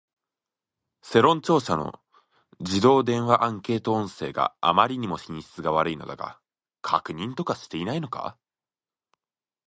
世論調査の自動電話アンケート音声があまりにも品質悪いのだが、確認とかしていないのか